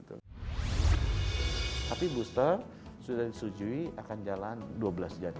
tapi booster sudah disetujui akan jalan dua belas jam